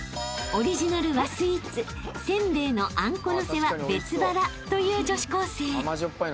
［オリジナル和スイーツ煎餅のあんこのせは別腹という女子高生］